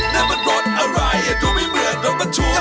ฮ่ามันมันมัน